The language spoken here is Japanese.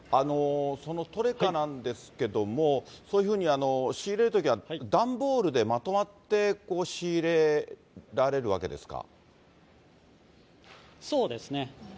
そのトレカなんですけども、そういうふうに仕入れるときは段ボールでまとまって仕入れられるそうですね。